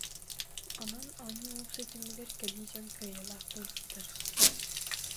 Онон оонньуу уопсай түмүгэр кэлии дьон кыайыылаах буолбуттар